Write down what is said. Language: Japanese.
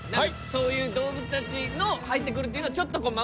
そういう動物たちの入ってくるっていうのを。